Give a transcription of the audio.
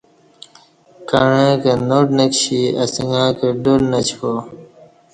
کعںݩکہ ناٹ نہ کشی اسݣہ کہ ڈاڈ نہ چپا